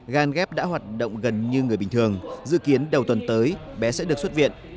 gan ghép đã hoạt động gần như người bình thường dự kiến đầu tuần tới bé sẽ được xuất viện